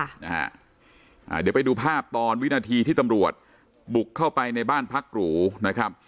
เดี๋ยวไปดูภาพตอนวินาทีที่ตำรวจบุกเข้าไปในบ้านพักหรูนะครับ